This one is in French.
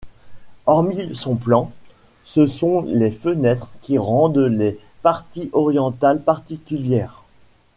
Hormis son plan, ce sont les fenêtres qui rendent les parties orientales particulières.